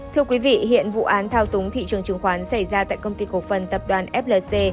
thưa quý vị hiện vụ án thao túng thị trường chứng khoán xảy ra tại công ty cổ phần tập đoàn flc